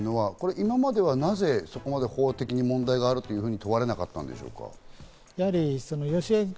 今まではなぜ、法的に問題があると問われなかったんですか？